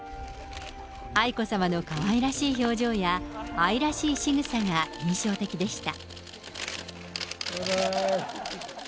愛子さまのかわいらしい表情や愛らしいしぐさが印象的でした。